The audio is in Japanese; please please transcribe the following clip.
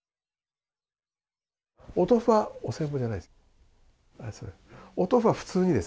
おとうふはお歳暮じゃないです。